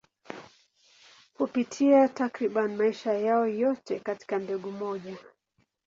Hupitia takriban maisha yao yote katika mbegu moja.